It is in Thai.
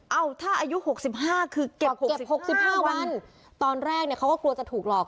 เอาถ้าอายุหกสิบห้าคือเก็บหกสิบห้าวันตอนแรกเนี้ยเขาก็กลัวจะถูกหลอก